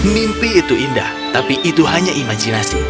mimpi itu indah tapi itu hanya imajinasi